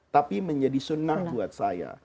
tapi menjadi sunnah buat saya